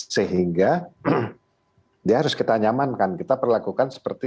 sehingga dia harus kita nyamankan kita perlakukan seperti